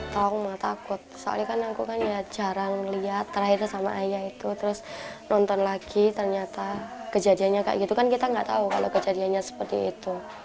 tahu aku mah takut soalnya kan aku jarang melihat terakhir sama ayah itu terus nonton lagi ternyata kejadiannya kayak gitu kan kita gak tahu kalau kejadiannya seperti itu